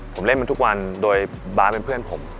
ผมเล่นมันทุกวันโดยบาสเป็นเพื่อนผม